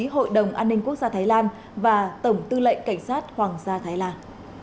hội đồng an ninh quốc gia thái lan và tổng tư lệnh cảnh sát hoàng gia thái lan